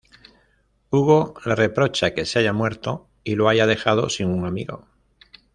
Hugo le reprocha que se haya muerto y lo haya dejado sin un amigo.